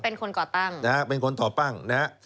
เป็นคนก่อปั้งนะครับเป็นคนก่อปั้ง